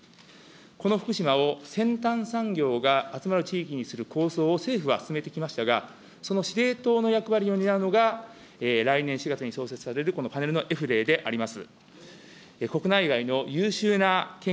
この福島を先端産業が集まる地域にする構想を政府は進めてきましたが、その司令塔の役割を担うのが、来年４月に創設されるこのパネルのエフレイであります。